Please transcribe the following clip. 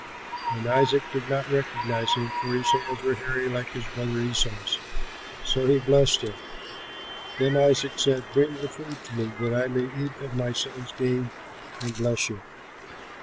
And Isaac did not recognize him, for his hands were hairy like his brother Esau's. So he blessed him. Then Isaac said, "Bring the food to me, that I may eat of my son's game and bless you."